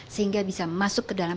sehingga bisa masuk ke dalam